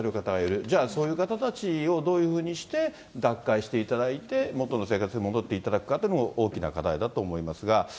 じゃあ、そういう方たちをどういうふうにして脱会していただいて、元の生活に戻っていただくかというのも大きな課題だと思いますが。